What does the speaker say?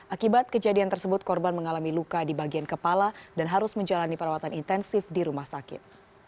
akibat kejadian tersebut korban mengalami luka di bagian kepala dan harus menjalani perawatan intensif di rumah sakit